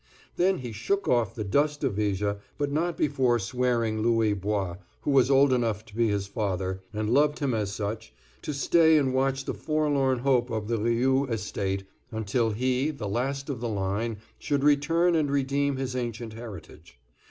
Then he shook off the dust of Viger, but not before swearing Louis Bois, who was old enough to be his father, and loved him as such, to stay and watch the forlorn hope of the Rioux Estate until he, the last of the line, should return and redeem his ancient heritage.